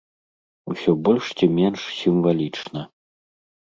Усё больш ці менш сімвалічна.